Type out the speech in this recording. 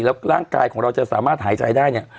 แล้วร่างกายของเราจะสามารถหายใจได้เนี่ย